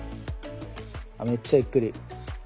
あっめっちゃゆっくり。